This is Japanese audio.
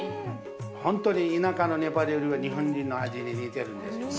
本当に田舎のネパール料理、日本人の味に似てるんですよね。